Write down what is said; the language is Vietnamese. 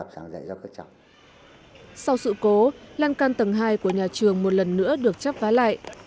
sau sự cố lan can tầng hai của nhà trường một lần nữa được chắp vá lại